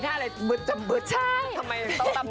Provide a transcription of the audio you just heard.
กับเพลงที่มีชื่อว่ากี่รอบก็ได้